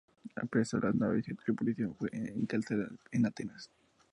Apresó las naves y a su tripulación, que fue encarcelada en Atenas.